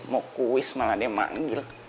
mau kuis malah dia manggil